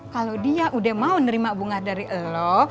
kalau dia udah mau nerima bunga dari elok